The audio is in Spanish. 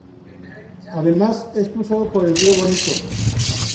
Además, es cruzado por el río Bonito.